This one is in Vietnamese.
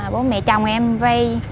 bố mẹ chồng em vay